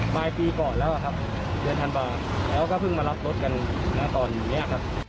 ปลายปีก่อนแล้วเดือนธันวาคมแล้วก็เพิ่งมารับรถกันตอนนี้